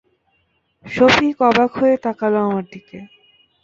সফিক অবাক হয়ে তাকাল আমার দিকে।